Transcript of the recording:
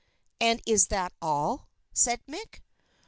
"And is this all?" said Mick.